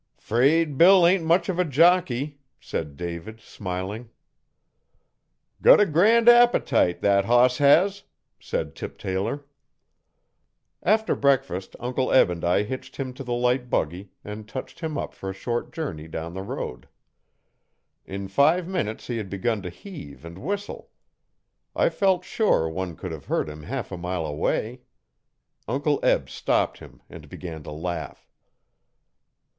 ''Fraid Bill ain't much of a jockey,' said David, smiling. 'Got a grand appetite that hoss has,' said Tip Taylor. After breakfast Uncle Eb and I hitched him to the light buggy and touched him up for a short journey down the road. In five minutes he had begun to heave and whistle. I felt sure one could have heard him half a mile away. Uncle Eb stopped him and began to laugh.